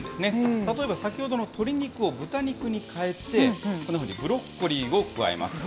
例えば先ほどの鶏肉を豚肉にかえて、こんなふうにブロッコリーを加えます。